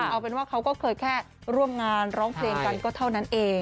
เอาเป็นว่าเขาก็เคยแค่ร่วมงานร้องเพลงกันก็เท่านั้นเอง